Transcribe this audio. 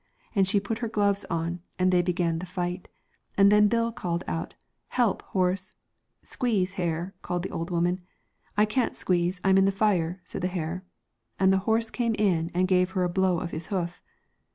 And she put her gloves on, and they began the fight, and then Bill called out, ' Help, horse.' ' Squeeze, hair,' called the old woman ;' I can't squeeze, I'm in the fire,' said the hair. And the horse came in and gave her a blow of his hoof.